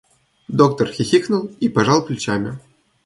Доктор хихикнул и пожал плечами.